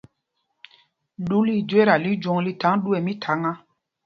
Ɗú lɛ́ íjüéta lí jwǒŋ lí thaŋ ɗú ɛ mítháŋá.